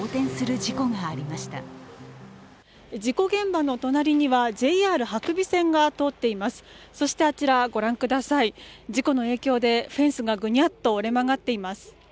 事故の影響でフェンスがぐにゃっと折れ曲がっています。